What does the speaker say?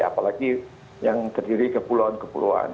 apalagi yang terdiri kepulauan kepulauan